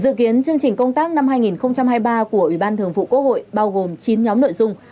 dự kiến chương trình công tác năm hai nghìn hai mươi ba của ủy ban thường vụ quốc hội bao gồm chín nhóm nội dung